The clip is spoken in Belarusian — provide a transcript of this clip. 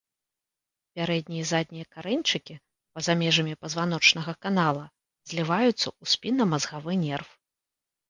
Пярэднія і заднія карэньчыкі па-за межамі пазваночнага канала зліваюцца ў спіннамазгавы нерв.